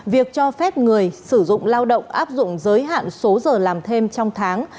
việc cho phép người sử dụng lao động áp dụng giới hạn số giờ làm thêm trong tháng